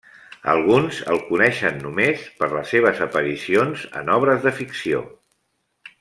Alguns el coneixen només per les seves aparicions en obres de ficció.